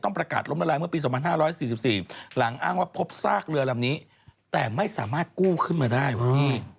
ประกาศล้มละลายเมื่อปี๒๕๔๔หลังอ้างว่าพบซากเรือลำนี้แต่ไม่สามารถกู้ขึ้นมาได้ว่ะพี่